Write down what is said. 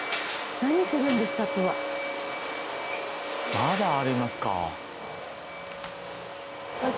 まだありますか。